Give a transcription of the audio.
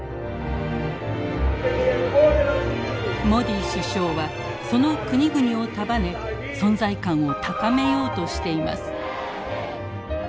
モディ首相はその国々を束ね存在感を高めようとしています。